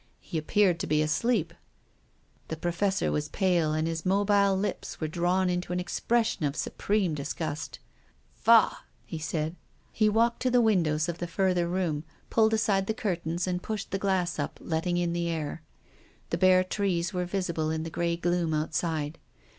Me appeared to be asleep. The Professor was pale, and his mobile lips were drawn into an expression of supreme disgust. " P'augh !" he said. He walked to the windows of the further room, pulled aside the curtains and pushed the glass up, letting in the air. The bare trees were visible in the grey gloom outside.